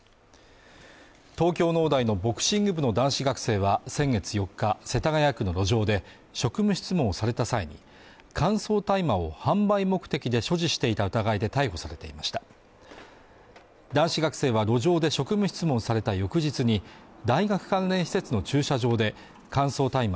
東京農大のボクシング部の男子学生は先月４日世田谷区の路上で職務質問された際に乾燥大麻を販売目的で所持していた疑いで逮捕されていました男子学生は路上で職務質問された翌日に大学関連施設の駐車場で乾燥大麻